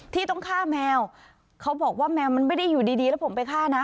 ที่ต้องฆ่าแมวเขาบอกว่าแมวมันไม่ได้อยู่ดีแล้วผมไปฆ่านะ